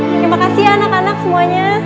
terima kasih anak anak semuanya